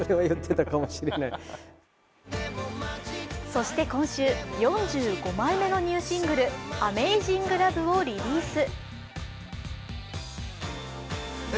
そして今週、４５枚目のニューシングル「ＡｍａｚｉｎｇＬｏｖｅ」をリリース。